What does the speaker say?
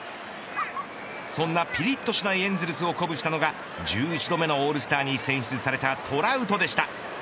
そんなぴりっとしないエンゼルスを鼓舞したのが１１度目のオールスターに選出されたトラウトでした。